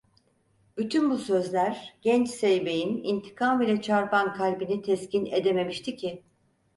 Bütün bu sözler genç zeybeğin intikam ile çarpan kalbini teskin edememişti ki…